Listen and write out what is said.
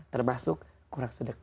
termasuk kurang sedekah